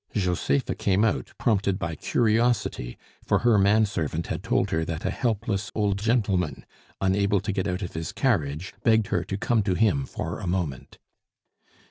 Josepha came out, prompted by curiosity, for her man servant had told her that a helpless old gentleman, unable to get out of his carriage, begged her to come to him for a moment.